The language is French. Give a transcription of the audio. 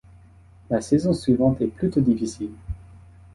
La saison suivante est plutôt difficile.